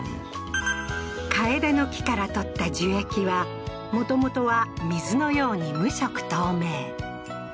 カエデの木から採った樹液は、もともとは水のように無色透明。